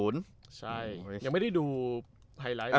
ใช่ยังไม่ได้ดูไฮไลท์